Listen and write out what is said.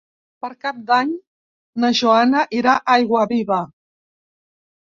Per Cap d'Any na Joana irà a Aiguaviva.